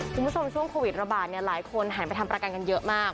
คุณผู้ชมช่วงโควิดระบาดเนี่ยหลายคนหันไปทำประกันกันเยอะมาก